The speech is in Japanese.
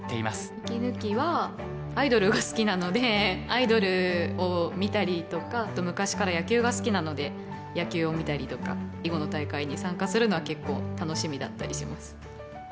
息抜きはアイドルが好きなのでアイドルを見たりとかあと昔から野球が好きなので野球を見たりとか囲碁の大会に参加するのは結構楽しみだったりします。